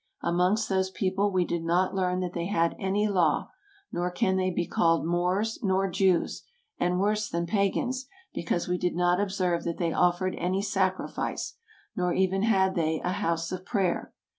... Amongst those people we did not learn that they had any law, nor can they be called Moors nor Jews, and worse than pagans, because we did not observe that they offered any sacrifice, nor even had they a house of prayer.